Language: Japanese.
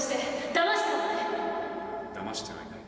だましてはいない。